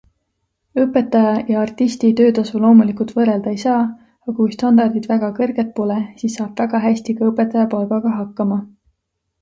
Õpetaja ja artisti töötasu loomulikult võrrelda ei saa, aga kui standardid väga kõrged pole, siis saab väga hästi ka õpetaja palgaga hakkama.